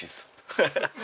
ハハハハ！